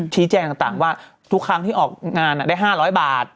ชี้แจงต่างว่าทุกครั้งที่ออกงานได้๕๐๐บาท